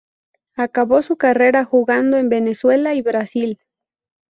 Acabó su carrera jugando en Venezuela y en Brasil.